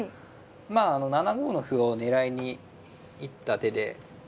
あの７五の歩を狙いに行った手で。